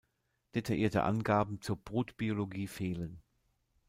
Detaillierte Angaben zur Brutbiologie fehlen.